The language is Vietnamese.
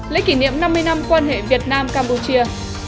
lễ kỷ niệm năm mươi năm quan hệ việt nam campuchia